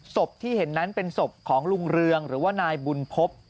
ศพที่เห็นนั้นเป็นศพของลุงเรืองหรือว่านายบุญพบ